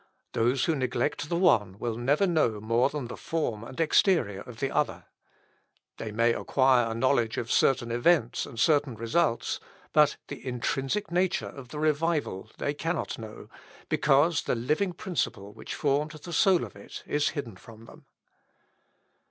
Those who neglect the one will never know more than the form and exterior of the other. They may acquire a knowledge of certain events and certain results, but the intrinsic nature of the revival they cannot know, because the living principle which formed the soul of it, is hidden from them.